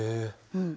うん。